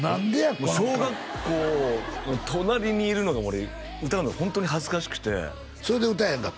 この顔小学校隣にいるのが俺歌うのがホントに恥ずかしくてそれで歌えへんかったん？